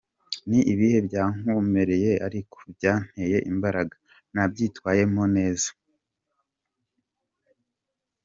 Ni ibihe byankomereye ariko byanteye imbaraga, nabyitwayemo neza.